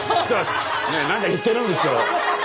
何か言ってるんですけど。